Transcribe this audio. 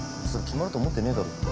それ決まると思ってねえだろ。